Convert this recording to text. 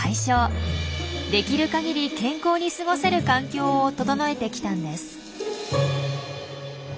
できる限り健康に過ごせる環境を整えてきたんです。